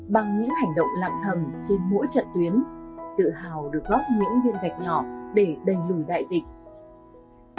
bằng những hành động lạm thầm trên mỗi trận tuyến tự hào được góp những viên gạch nhỏ để đẩy lùi đại dịch